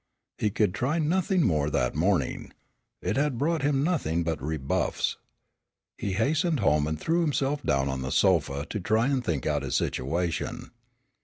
He could try nothing more that morning. It had brought him nothing but rebuffs. He hastened home and threw himself down on the sofa to try and think out his situation.